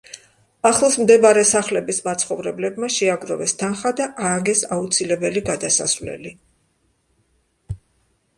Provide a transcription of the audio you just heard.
ახლოს მდებარე სახლების მაცხოვრებლებმა შეაგროვეს თანხა და ააგეს აუცილებელი გადასასვლელი.